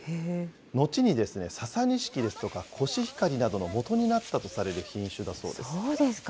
後にササニシキですとかコシヒカリなどの元になったとされる品種そうですか。